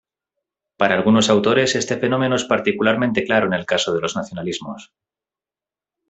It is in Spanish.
Para algunos autores, este fenómeno es particularmente claro en el caso de los nacionalismos.